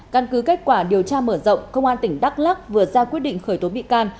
căn cứ kết quả điều tra mở rộng công an tỉnh đắk lắc vừa ra quyết định khởi tố bị can